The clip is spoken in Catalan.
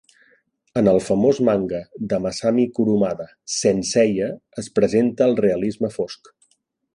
En el famós manga de Massami Kurumada, "Saint Seiya", es presenta el realisme fosc.